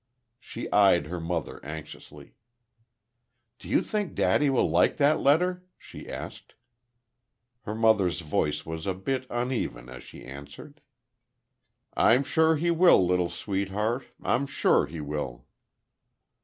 She eyed her mother anxiously. "Do you think daddy will like that letter?" she asked. Her mother's voice was a bit uneven as she answered. "I'm sure he will, little sweetheart I'm sure he will."